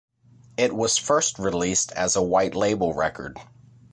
It was first released as a white label record.